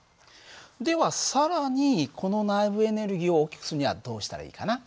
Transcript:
では更にこの内部エネルギーを大きくするにはどうしたらいいかな？